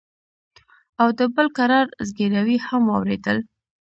او د بل کرار زگيروي هم واورېدل.